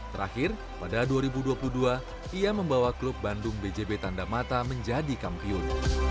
terakhir pada dua ribu dua puluh dua ia membawa klub bandung bjb tanda mata menjadi kampiun